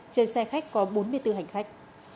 trên xe khách có bốn mươi bốn hành khách